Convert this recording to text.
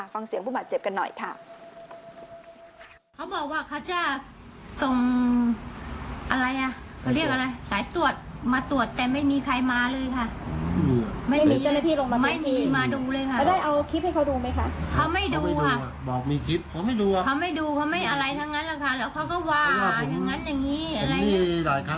ฟังเสียงผู้บาดเจ็บกันหน่อยค่ะ